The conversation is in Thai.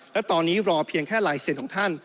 และตอนนี้รอเพียงแค่ลายเซ็นต์ของท่าน